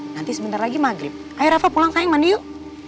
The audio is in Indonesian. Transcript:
nanti sebentar lagi maghrib ayo rafa pulang kaya mandi yuk